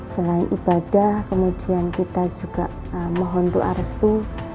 selain ibadah kemudian kita juga mohon doa restu